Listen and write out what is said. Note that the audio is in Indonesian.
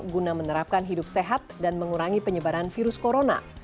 guna menerapkan hidup sehat dan mengurangi penyebaran virus corona